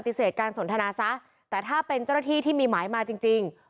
การสนทนาซะแต่ถ้าเป็นเจ้าหน้าที่ที่มีหมายมาจริงจริง